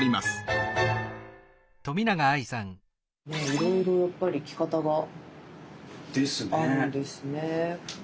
いろいろやっぱり着方があるんですね。ですね。